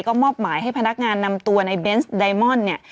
ก็มอบหมายให้พนักงานนำตัวในเบนส์ไดมอนด์เนี่ย